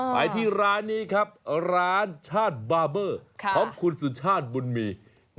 ไปที่ร้านนี้ครับร้านชาติบาเบอร์ของคุณสุชาติบุญมี